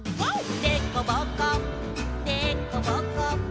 「でこぼこでこぼこ」